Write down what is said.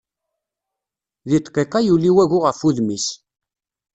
Deg dqiqa yuli wagu ɣef wudem-is.